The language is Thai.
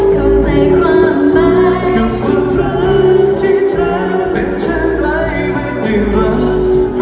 คือว่ารักที่เธอเป็นฉันมากมาย